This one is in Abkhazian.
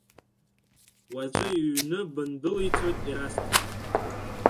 Уаҵәы иҩны бындәылицоит Ерасҭ.